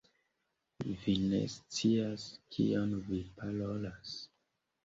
Vi ne scias kion vi parolas.